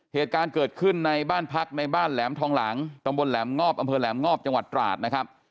เหตุการณ์เกิดขึ้นในบ้านพักในบ้านแหลมทองหลังตำบลแหลมงอบอำเภอแหลมงอบจังหวัดตราดนะครับ